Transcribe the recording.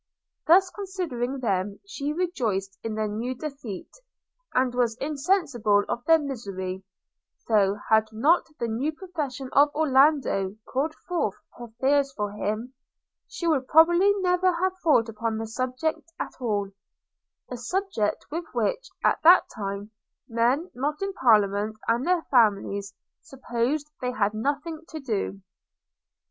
Thus considering them, she rejoiced in their new defeat, and was insensible of their misery; though, had not the new profession of Orlando called forth her fears for him, she would probably never have thought upon the subject at all – a subject with which, at that time, men not in parliament and their families supposed they had nothing to do.